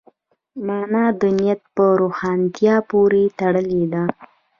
مانا د نیت په روښانتیا پورې تړلې ده.